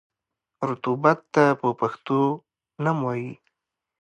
رطوبت ته په پښتو نم وايي.